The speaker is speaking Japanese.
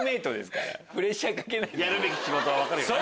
やるべき仕事は分かるよな？